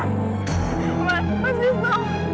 aku baru sadar sekarang